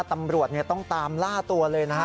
ตำรวจต้องตามล่าตัวเลยนะฮะ